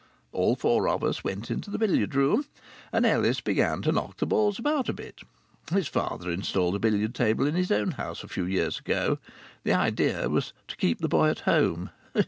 All four of us went to the billiard room. And Ellis began to knock the balls about a bit. His father installed a billiard table in his own house a few years ago. The idea was to "keep the boy at home."